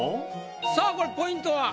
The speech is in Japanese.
さあこれポイントは？